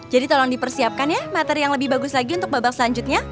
jadi tolong dipersiapkan ya materi yang lebih bagus lagi untuk babak selanjutnya